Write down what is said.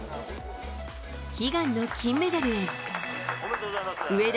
悲願の金メダルへ。